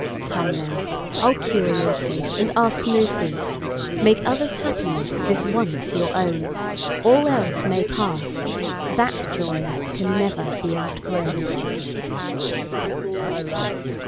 Come, now, I'll cure your case, and ask no fee:—Make others' happiness this once your own; All else may pass: that joy can never beOutgrown!